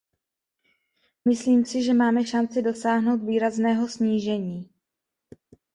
Myslím si, že máme šanci dosáhnout výrazného snížení.